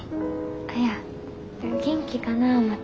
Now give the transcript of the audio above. いや元気かなぁ思て。